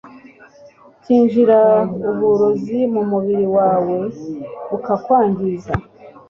cyinjiza uburozi mu mubiri wawe bukakwangiza.